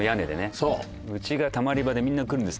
そううちがたまり場でみんな来るんです